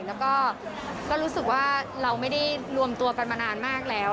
แล้วก็รู้สึกว่าเราไม่ได้รวมตัวกันมานานมากแล้ว